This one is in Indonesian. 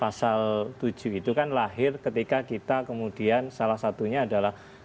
pasal tujuh itu kan lahir ketika kita kemudian salah satunya adalah